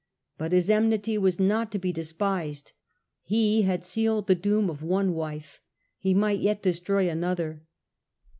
But his enmity was not to be des pised. He had sealed the doom of one wife — he might yet destroy another.